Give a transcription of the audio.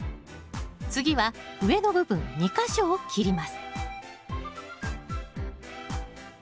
次は上の部分２か所を切ります